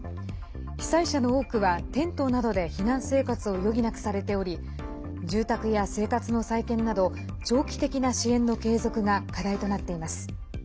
被災者の多くは、テントなどで避難生活を余儀なくされており住宅や生活の再建など長期的な支援の継続が課題となっています。